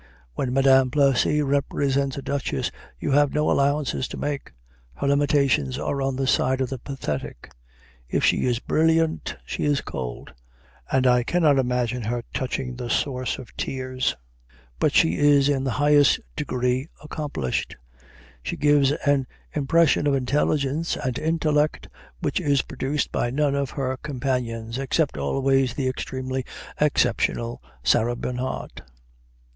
When Madame Plessy represents a duchess you have no allowances to make. Her limitations are on the side of the pathetic. If she is brilliant, she is cold; and I cannot imagine her touching the source of tears. But she is in the highest degree accomplished; she gives an impression of intelligence and intellect which is produced by none of her companions excepting always the extremely exceptional Sarah Bernhardt.